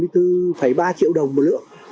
ba triệu đồng một lượng